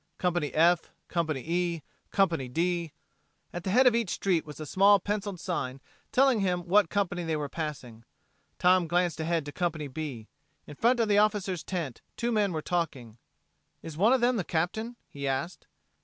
Company F ... Company E ... Company D.... At the head of each street was a small penciled sign telling them what company they were passing. Tom glanced ahead to Company B. In front of the officer's tent two men were talking. "Is one of them the Captain?" he asked.